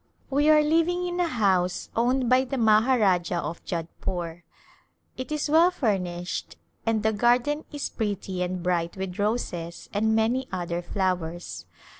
We are living in a house owned by the Maharajah of Jodhpore. It is well furnished and the garden is pretty and bright with roses and many other flowers.